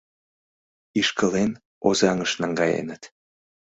Ишкылен, Озаҥыш наҥгаеныт.